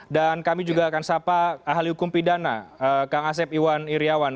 dan kami juga akan sapa ahli hukum pidana kang asep iwan iryawan